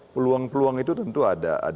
peluang peluang itu tentu ada